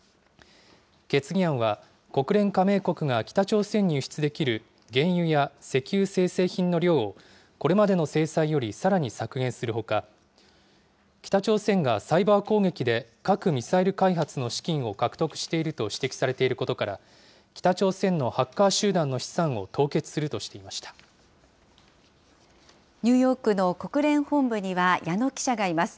決議案は、国連加盟国が北朝鮮に輸出できる原油や石油精製品の量をこれまでの制裁よりさらに削減するほか、北朝鮮がサイバー攻撃で核・ミサイル開発の資金を獲得していると指摘されていることから、北朝鮮のハッカー集団の資産を凍結するニューヨークの国連本部には、矢野記者がいます。